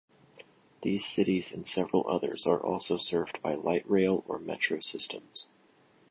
These cities and several others are also served by light rail or metro systems.